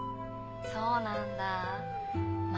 そうなんだま